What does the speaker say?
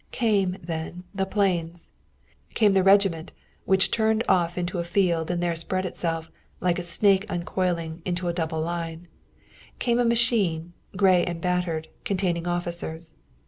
Came, then, the planes. Came the regiment, which turned off into a field and there spread itself, like a snake uncoiling, into a double line. Came a machine, gray and battered, containing officers.